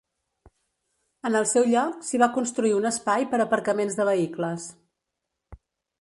En el seu lloc s'hi va construir un espai per aparcaments de vehicles.